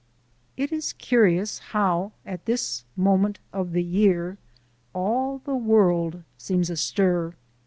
It is curious how at this moment of the year all the world seems astir.